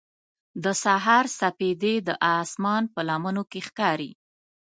د سهار سپېدې د اسمان په لمنو کې ښکاري.